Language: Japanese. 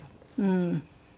うん。